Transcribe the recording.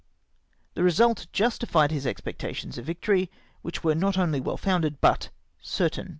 The result justified his expectations of victory, which were n,ot only well founded but certain.